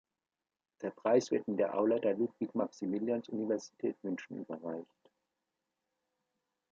Der Preis wird in der Aula der Ludwig-Maximilians-Universität München überreicht.